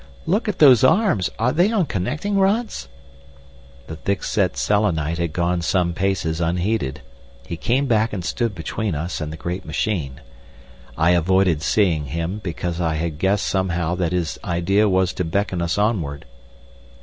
Look at those arms, are they on connecting rods?" The thick set Selenite had gone some paces unheeded. He came back and stood between us and the great machine. I avoided seeing him, because I guessed somehow that his idea was to beckon us onward.